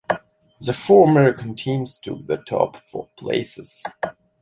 The four American teams took the top four places.